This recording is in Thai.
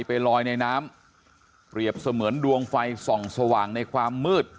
เปรียบเสมือนดวงไฟส่องสว่างในความมืด